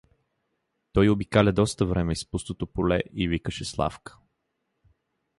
Той обикаля доста време из пустото поле и викаше Славка.